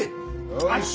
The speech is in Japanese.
よし。